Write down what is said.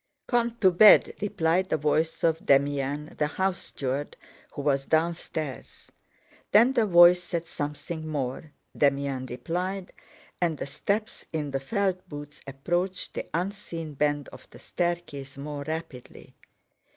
"Gone to bed," replied the voice of Demyán the house steward, who was downstairs. Then the voice said something more, Demyán replied, and the steps in the felt boots approached the unseen bend of the staircase more rapidly.